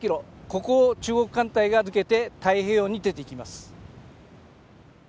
ここを中国艦隊が抜けて太平洋に出ていきます